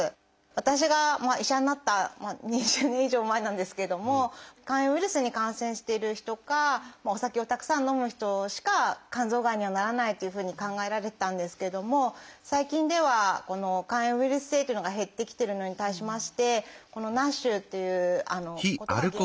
私が医者になった２０年以上前なんですけれども肝炎ウイルスに感染している人かお酒をたくさん飲む人しか肝臓がんにはならないというふうに考えられてたんですけれども最近では肝炎ウイルス性っていうのが減ってきているのに対しましてＮＡＳＨということが原因の肝がんが増えてきています。